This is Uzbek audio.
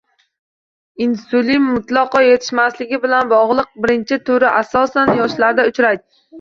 Insulin mutlaqo yetishmasligi bilan bog‘liq birinchi turi asosan yoshlarda uchraydi